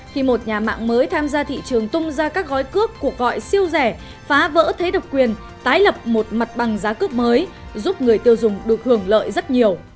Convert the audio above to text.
khi một nhà mạng mới tham gia thị trường tung ra các gói cước cuộc gọi siêu rẻ phá vỡ thế độc quyền tái lập một mặt bằng giá cước mới giúp người tiêu dùng được hưởng lợi rất nhiều